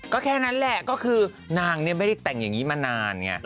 ก็นั่นแหละนางไม่ได้แต่งอย่างนี้มานาน